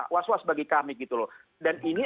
was was bagi kami gitu loh dan ini